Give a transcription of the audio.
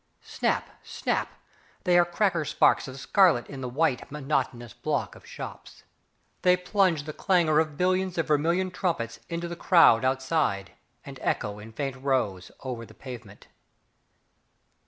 Snap, snap, they are cracker sparks of scarlet in the white, monotonous block of shops. They plunge the clangour of billions of vermilion trumpets into the crowd outside, and echo in faint rose over the pavement.